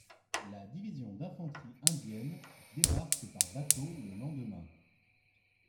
La division d'infanterie indienne débarque par bateau le lendemain.